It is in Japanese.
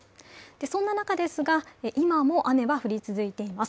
そんな中ですが、今も雨が降り続いています。